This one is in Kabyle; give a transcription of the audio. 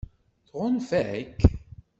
Tɣunfa-k?